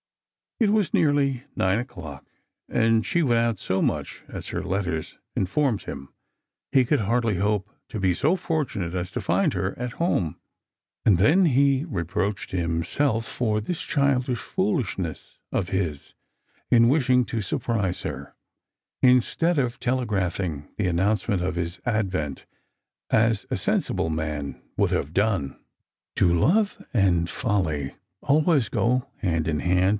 It was nearly nine o'clock, and she went out so much, as her letters inforiaed him. He could hardly hope to be so fortunate as to find her at home. And then he reproached himself for this childish foolishness of his in wishing to surprise her, instead of telegraphing the announcement of his advent, as a sensible man would have done. Strangers and Pilgrims. 203 *• Do love and folly always go hand in hand?